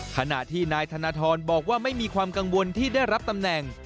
ขณะที่นายธนทรบอกว่าไม่มีความกังวลที่ได้รับตำแหน่ง